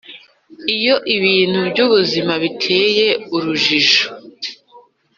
iyo ibintu byubuzima binteye urujijo,